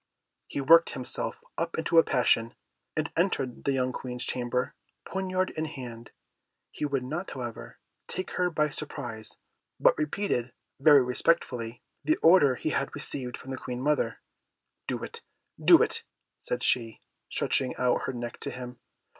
He worked himself up into a passion, and entered the young Queen's chamber poniard in hand. He would not, however, take her by surprise, but repeated, very respectfully, the order he had received from the Queen mother. "Do it! do it!" said she, stretching out her neck to him.